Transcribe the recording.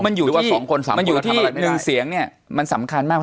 มันอยู่ที่หนึ่งเสียงเนี่ยมันสำคัญมาก